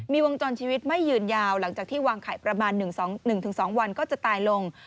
มีวงจรชีวิตไม่ยืนยาวหลังจากที่วางไข่ประมาณ๑๒วันก็จะตายลง